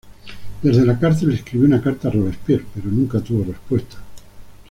Desde la cárcel escribió una carta a Robespierre, pero nunca tuvo respuesta.